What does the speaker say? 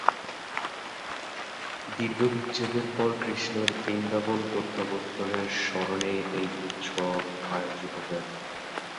দীর্ঘ বিচ্ছেদের পর কৃষ্ণের বৃন্দাবন প্রত্যাবর্তনের স্মরণে এই উৎসব আয়োজিত হয়ে থাকে।